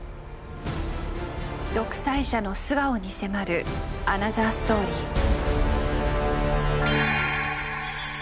独裁者の素顔に迫るアナザーストーリー。